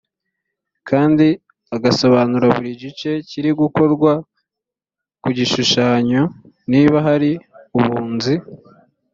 kandi agasobanura buri gice kiri gukorwa ku gishushanyo niba hari ubunzi